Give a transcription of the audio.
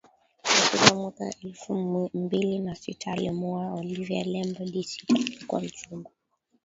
wa sita mwaka elfu mbili na sita alimwoa Olive Lembe di Sita aliyekuwa mchumba